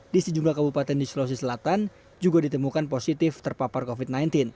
di sejumlah kabupaten di sulawesi selatan juga ditemukan positif terpapar covid sembilan belas